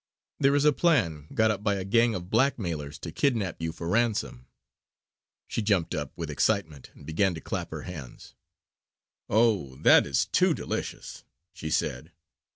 There is a plan got up by a gang of blackmailers to kidnap you for a ransom." She jumped up with excitement and began to clap her hands. "Oh, that is too delicious!" she said.